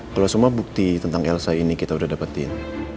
kalau semua bukti tentang elsa ini kita udah dapetin